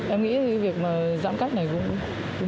em nghĩ việc giãn cách này cũng